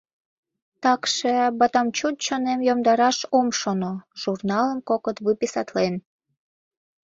— Такше, батаммчуд чонем йомдараш ом шоно, журналым кокыт выписатлен.